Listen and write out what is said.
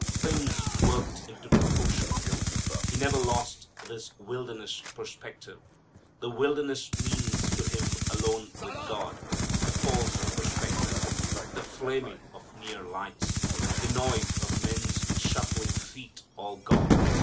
Things worked into proportion. He never lost this wilderness perspective. The wilderness means to Him alone with God, the false perspective, the flaming of near lights, the noise of men's shuffling feet all gone.